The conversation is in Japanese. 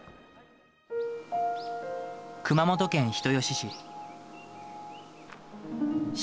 熊本県人吉市。